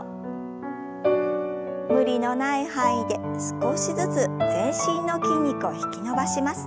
無理のない範囲で少しずつ全身の筋肉を引き伸ばします。